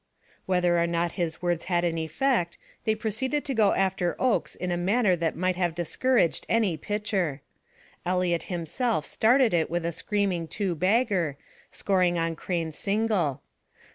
Whether or not his words had an effect, they proceeded to go after Oakes in a manner that might have discouraged any pitcher. Eliot, himself, started it with a screaming two bagger, scoring on Crane's single.